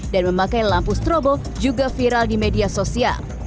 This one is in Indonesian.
dan memakai lampu strobo juga viral di media sosial